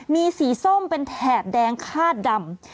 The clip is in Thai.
มีสีส้มเป็นแถบแดงคาดดำ